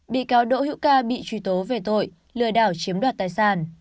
bị cáo đỗ hữu ca bị truy tố về tội lừa đảo chiếm đoạt tài sản